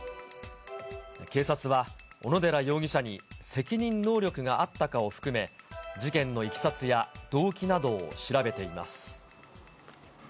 警察は小野寺容疑者に責任能力があったかを含め、事件のいきさつや動機などを調べています。